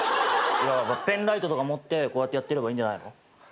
ペンライトとか持ってこうやってやってればいいんじゃないの？